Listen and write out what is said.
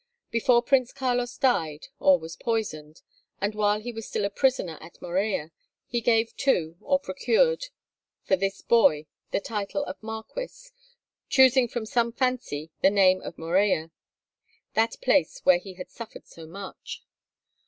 Before Prince Carlos died, or was poisoned, and while he was still a prisoner at Morella, he gave to, or procured for this boy the title of marquis, choosing from some fancy the name of Morella, that place where he had suffered so much.